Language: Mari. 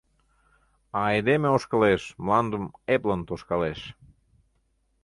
А айдеме ошкылеш, Мландым эплын тошкалеш.